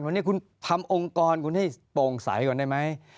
วันนี้คุณทำองค์กรคุณให้โปร่งใสก่อนได้ไหม